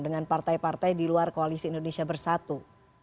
dengan partai partai di luar koalisi indonesia bersatu